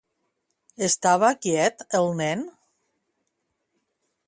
Estava quiet el nen?